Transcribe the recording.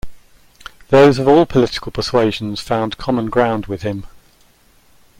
Those of all political persuasions found common ground with him.